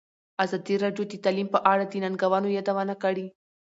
ازادي راډیو د تعلیم په اړه د ننګونو یادونه کړې.